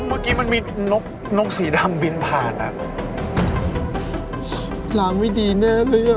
เมื่อกี้มันมีนกนกสีดำบินผ่านอ่ะล้างไม่ดีแน่เรื่อง